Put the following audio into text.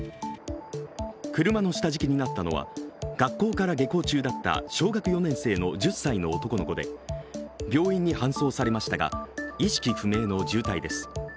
車の下敷きになったのは、学校から下校中だった小学４年生の１０歳の男の子で病院に搬送されましたが意識不明の重体です。